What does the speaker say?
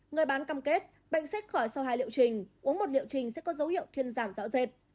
người bán cam kết bệnh xích khỏi sau hai liệu trình uống một liệu trình sẽ có dấu hiệu thuyên giảm rõ rệt